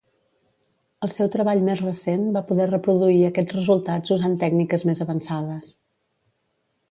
El seu treball més recent va poder reproduir aquests resultats usant tècniques més avançades.